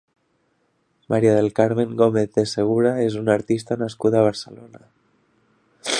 Mª del Carmen Gómez de Segura és una artista nascuda a Barcelona.